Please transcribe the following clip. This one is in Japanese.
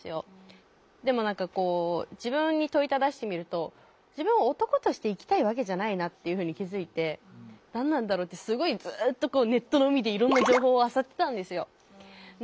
でも何かこう自分に問いただしてみると自分は男として生きたいわけじゃないなっていうふうに気付いて何なんだろうってすごいずっとネットの海でいろんな情報をあさってたんですよ。